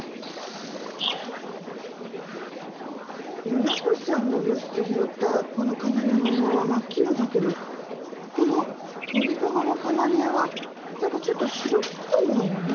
村越さんの病室で拾ったこのカナリアの羽毛は真っ黄色だけどこの鳥籠のカナリアはなんかちょっと白っぽいわよね。